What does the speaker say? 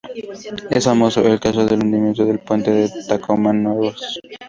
Es famoso el caso del hundimiento del puente de Tacoma Narrows.